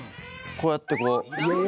こうやってこう。